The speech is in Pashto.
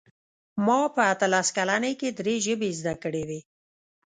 ما په اتلس کلنۍ کې درې ژبې زده کړې وې